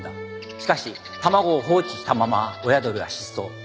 しかし卵を放置したまま親鳥は失踪。